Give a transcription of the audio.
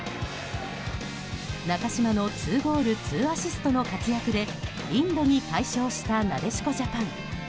中嶋の２ゴール２アシストの活躍でインドに快勝したなでしこジャパン。